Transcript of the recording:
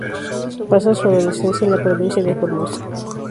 Pasa su adolescencia en la Provincia de Formosa.